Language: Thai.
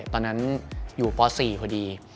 ตอนนั้นอยู่ป๔พอดี